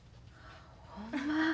ほんま。